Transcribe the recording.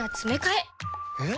えっ？